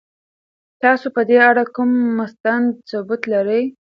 تاسو په دې اړه کوم مستند ثبوت لرئ؟